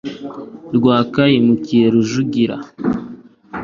rwaka yimukiye rujugira